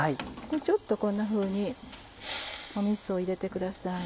ちょっとこんなふうにみそを入れてください。